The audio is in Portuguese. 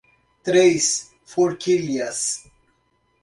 Três Forquilhas